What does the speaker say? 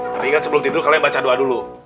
tapi kan sebelum tidur kalian baca doa dulu